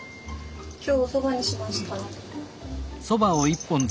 今日おそばにしました。